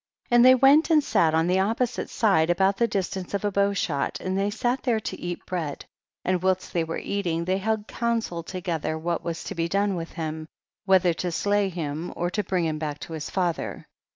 And they went and sat on the opposite side, about the distance of a bow shot, and they sat there to eat bread, and whilst they were eating, they held counsel together what was to be done with him, whether to slay him or to bring him back to his father.